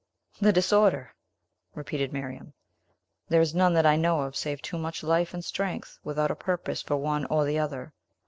"The disorder!" repeated Miriam. "There is none that I know of save too much life and strength, without a purpose for one or the other.